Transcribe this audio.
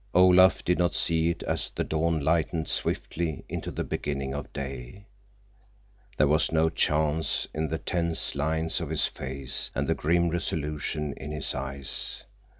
Olaf did not see it as the dawn lightened swiftly into the beginning of day. There was no change in the tense lines of his face and the grim resolution in his eyes.